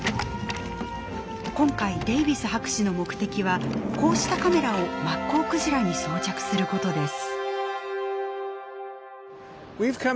今回デイビス博士の目的はこうしたカメラをマッコウクジラに装着することです。